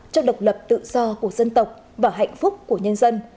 cho độc lập tự do của dân tộc và hạnh phúc của nhân dân